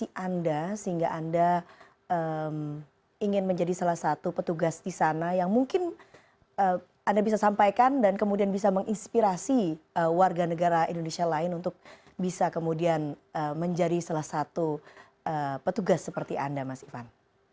apa anda sehingga anda ingin menjadi salah satu petugas di sana yang mungkin anda bisa sampaikan dan kemudian bisa menginspirasi warga negara indonesia lain untuk bisa kemudian menjadi salah satu petugas seperti anda mas ivan